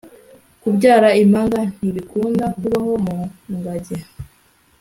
Kubyara impanga ntibikunda kubaho mu ngagi